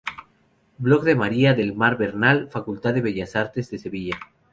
Blog de María del Mar Bernal, Facultad de Bellas Artes de Sevilla